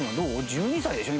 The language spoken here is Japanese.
１２歳でしょ？